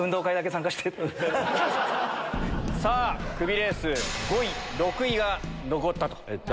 さぁクビレース５位６位が残ったと。